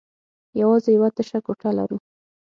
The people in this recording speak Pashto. يواځې يوه تشه کوټه لرو.